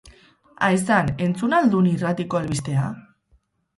Aizan, entzun al dun irratiko albistea?